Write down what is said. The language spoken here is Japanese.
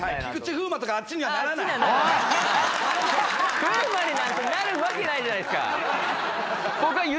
風磨になんてなるわけないじゃないですか。